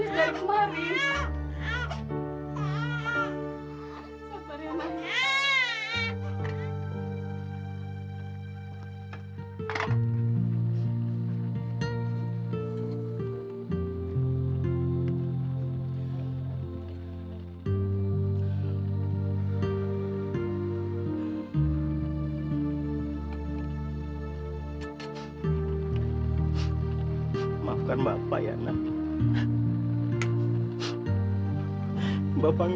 susu dari mana pak